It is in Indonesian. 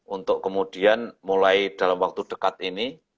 untuk kemudian mulai dalam waktu dekat ini